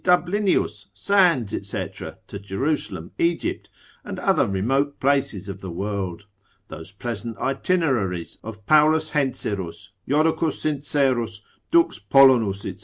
Dublinius, Sands, &c., to Jerusalem, Egypt, and other remote places of the world? those pleasant itineraries of Paulus Hentzerus, Jodocus Sincerus, Dux Polonus, &c.